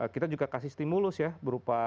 kita juga kasih stimulus ya berupa